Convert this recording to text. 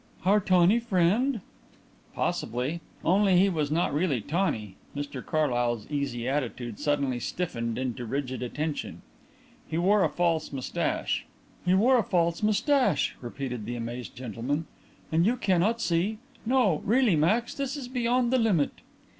"Our tawny friend?" "Possibly. Only he was not really tawny." Mr Carlyle's easy attitude suddenly stiffened into rigid attention. "He wore a false moustache." "He wore a false moustache!" repeated the amazed gentleman. "And you cannot see! No, really, Max, this is beyond the limit!"